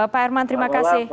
pak herman terima kasih